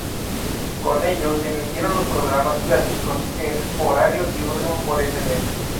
Con ello, se emitieron los programas clásicos en horario diurno por ese mes.